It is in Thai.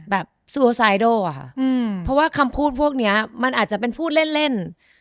แบบสวยโซไซโดค่ะคำพูดพวกเนี้ยมันอาจจะเป็นพูดเล่น